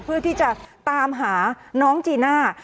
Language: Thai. เพื่อที่จะตามหาน้องจีน่า